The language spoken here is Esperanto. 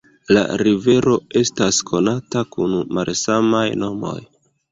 La rivero estas konata kun malsamaj nomoj.